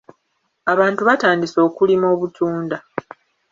Abantu batandise okulima obutunda.